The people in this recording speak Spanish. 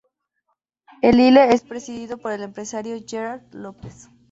El Lille es presidido por el empresario Gerard Lopez.